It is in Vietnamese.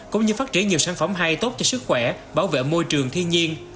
cũng như phát triển nhiều sản phẩm hay tốt cho sức khỏe bảo vệ môi trường thiên nhiên